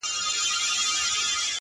د تورو شپو سپين څراغونه مړه ســول ـ